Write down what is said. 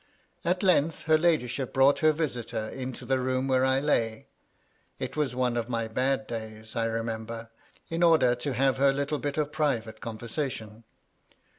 At length her ladyship brought her visitor into the room where I lay, — it was one of my bad days, I remember, — in order to have her little bit of private conversation.